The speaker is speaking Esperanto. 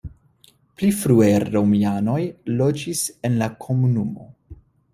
Pli frue romianoj loĝis en la komunumo.